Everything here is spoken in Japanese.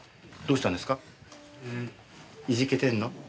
いじけてんの？